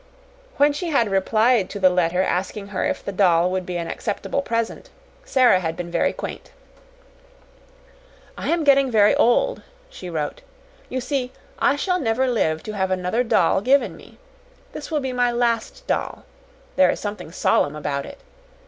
When she had replied to the letter asking her if the doll would be an acceptable present, Sara had been very quaint. "I am getting very old," she wrote; "you see, I shall never live to have another doll given me. This will be my last doll. There is something solemn about it.